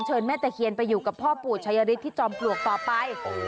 เชิญแม่ตะเขียนไปอยู่กับพ่อปู่ชายริตที่จอมปลวกต่อไป